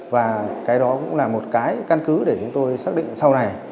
và cái đó cũng là một cái căn cứ để chúng tôi xác định sau này